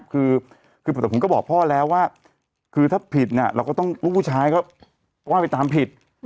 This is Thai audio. คือผมก็บอกพ่อแล้วว่าคือถ้าผิดลูกผู้ชายก็ว่าไปตามผิด